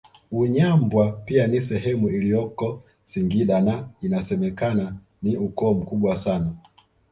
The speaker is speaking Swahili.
Unyambwa pia ni sehemu iliyoko Singida na inasemekana ni ukoo mkubwa sana